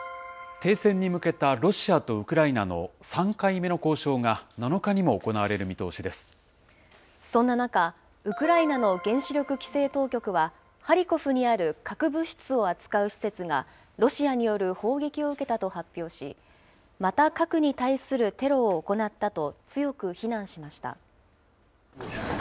停戦に向けたロシアとウクライナの３回目の交渉が７日にも行われそんな中、ウクライナの原子力規制当局は、ハリコフにある核物質を扱う施設がロシアによる砲撃を受けたと発表し、また、核に対するテロを行ったと、強く非難しました。